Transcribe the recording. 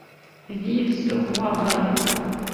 Vive ce roi vaillant!